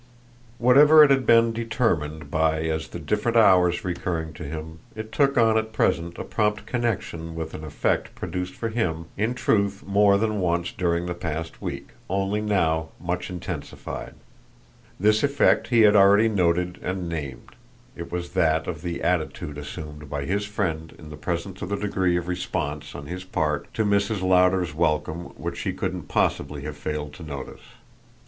Whatever it had been determined by as the different hours recurred to him, it took on at present a prompt connexion with an effect produced for him in truth more than once during the past week, only now much intensified. This effect he had already noted and named: it was that of the attitude assumed by his friend in the presence of the degree of response on his part to Mrs. Lowder's welcome which she couldn't possibly have failed to notice.